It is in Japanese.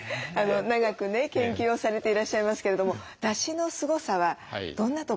長くね研究をされていらっしゃいますけれどもだしのすごさはどんなところに？